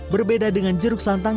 berbeda dengan jeruk santang